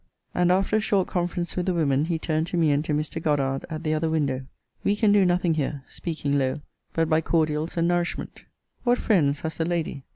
And, after a short conference with the women, he turned to me, and to Mr. Goddard, at the other window: We can do nothing here, (speaking low,) but by cordials and nourishment. What friends has the lady?